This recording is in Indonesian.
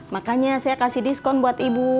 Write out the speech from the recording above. makanya saya kasih diskon buat ibu